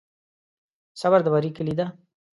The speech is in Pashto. صبر د بری کلي ده.